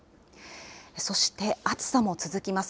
そして、暑さも続きます。